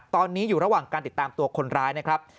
ตอนนี้อยู่ระหว่างการติดตามตัวคนร้ายนะครับ